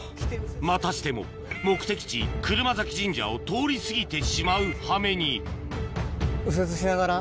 またしても目的地車折神社を通り過ぎてしまうはめに右折しながら。